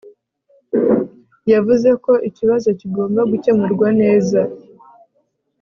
yavuze ko ikibazo kigomba gukemurwa neza